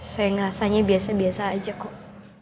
saya ngerasanya biasa biasa aja kok